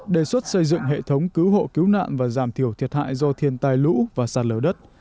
đề xuất xây dựng hệ thống cứu hộ cứu nạn và giảm thiểu thiệt hại do thiên tai lũ và sạt lở đất